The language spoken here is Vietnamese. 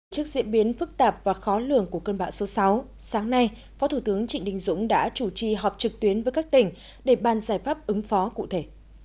trước diễn biến phức tạp và khó lường của cơn bão số sáu sáng nay phó thủ tướng trịnh đình dũng đã chủ trì họp trực tuyến với các tỉnh để ban giải pháp ứng phó cụ thể